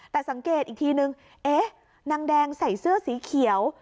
แต่สังเกตอีกทีนึงเอ๊ะนางแดงใส่เสื้อสีเขียว